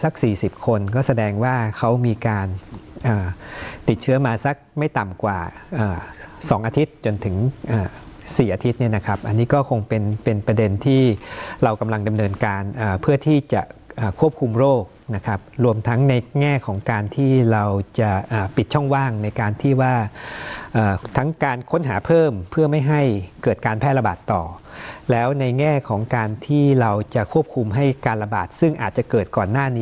สี่สิบคนก็แสดงว่าเขามีการติดเชื้อมาสักไม่ต่ำกว่า๒อาทิตย์จนถึง๔อาทิตย์เนี่ยนะครับอันนี้ก็คงเป็นประเด็นที่เรากำลังดำเนินการเพื่อที่จะควบคุมโรคนะครับรวมทั้งในแง่ของการที่เราจะปิดช่องว่างในการที่ว่าทั้งการค้นหาเพิ่มเพื่อไม่ให้เกิดการแพร่ระบาดต่อแล้วในแง่ของการที่เราจะควบคุมให้การระบาดซึ่งอาจจะเกิดก่อนหน้านี้